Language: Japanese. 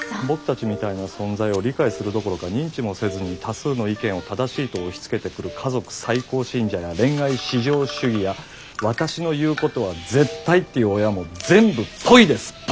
僕たちみたいな存在を理解するどころか認知もせずに多数の意見を正しいと押しつけてくる家族最高信者や恋愛至上主義や私の言うことは絶対っていう親も全部ポイッです！